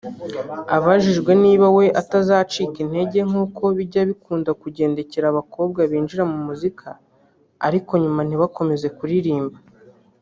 Abajijwe niba we atazacika intege nkuko bijya bikunda kugendekera abakobwa binjira muri muzika ariko nyuma ntibakomeze kuririmba